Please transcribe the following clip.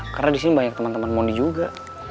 karena disini banyak temen temen mondi juga